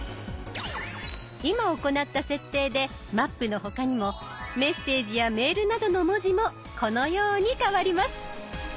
今行った設定で「マップ」の他にもメッセージやメールなどの文字もこのように変わります。